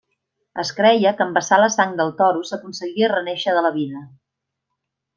Es creia que en vessar la sang del toro s'aconseguia renéixer de la vida.